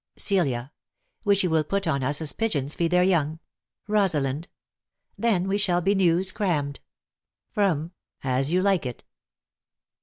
Celia. Which he will put on us as pigeons feed their young. Rosalind. Then shall we be news crammed. As You Like It.